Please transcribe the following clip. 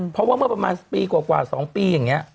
เพราะว่าเมื่อประมาณปีกว่า๒ปีอย่างนี้